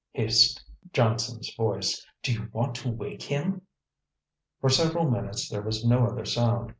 hissed Johnson's voice. "Do you want to wake him!" For several minutes there was no other sound.